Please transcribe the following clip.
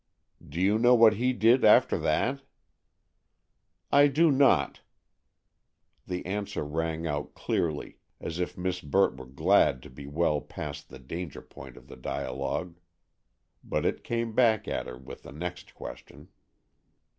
"Do you know what he did after that?" "I do not!" the answer rang out clearly, as if Miss Burt were glad to be well past the danger point of the dialogue. But it came back at her with the next question.